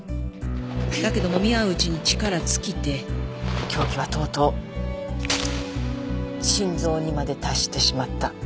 だけどもみ合ううちに力尽きて凶器はとうとう心臓にまで達してしまった。